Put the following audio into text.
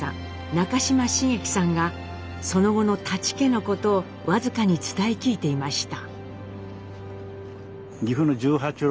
中島繁紀さんがその後の舘家のことを僅かに伝え聞いていました。